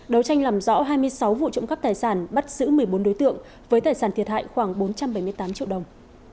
đấu tranh làm rõ hai mươi sáu vụ trộm cắp tài sản bắt giữ một mươi bốn đối tượng với tài sản thiệt hại khoảng bốn trăm bảy mươi tám triệu đồng